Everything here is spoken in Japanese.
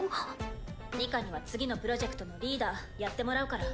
ニカには次のプロジェクトのリーダーやってもらうから。